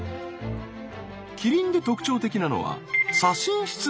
キリンで特徴的なのは左心室の壁の厚さ。